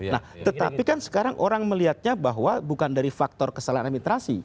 nah tetapi kan sekarang orang melihatnya bahwa bukan dari faktor kesalahan administrasi